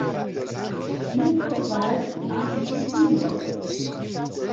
Mi povas aŭdi ion...